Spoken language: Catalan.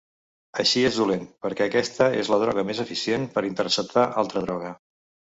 Així és dolent perquè aquesta és la droga més eficient per interceptar altra droga.